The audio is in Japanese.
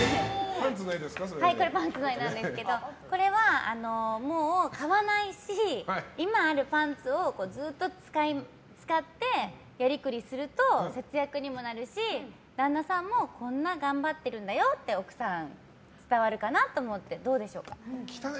これパンツの絵なんですけどこれは、もう買わないし今あるパンツをずっと使って、やりくりすると節約にもなるし、旦那さんもこんな頑張ってるんだよって奥さん、伝わるかなと思って。